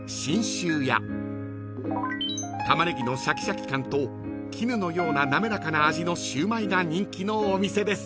［玉ねぎのシャキシャキ感と絹のようななめらかな味のしゅうまいが人気のお店です］